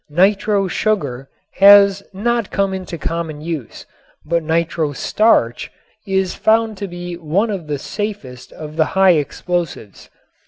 Nitro sugar has not come into common use, but nitro starch is found to be one of safest of the high explosives.